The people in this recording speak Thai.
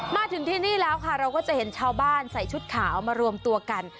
มาถึงที่นี่แล้วค่ะเราก็จะเห็นชาวบ้านใส่ชุดขาวมารวมตัวกัน